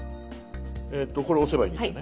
これ押せばいいんですね。